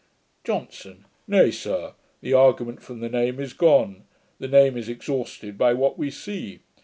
JOHNSON. 'Nay, sir, the argument from the name is gone. The name is exhausted by what we see.